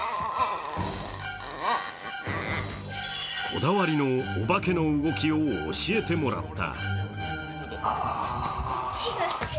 こだわりのお化けの動きを教えてもらった。